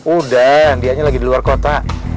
udah dia aja lagi di luar kota